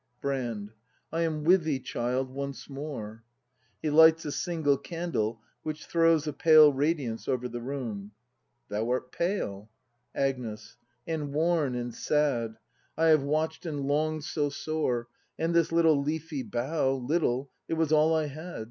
Brand, I am with thee, child, once more. [He lights a single candle, which throws a pale radiance over the room.] Thou art pale. Agnes. And worn and sad. I have watch'd and long'd so sore; And this little leafy bough — Little, it was all I had.